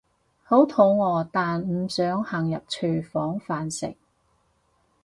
好肚餓但唔想行入廚房飯食